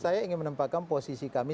saya ingin menempatkan posisi kami